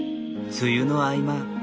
梅雨の合間。